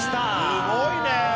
すごいね！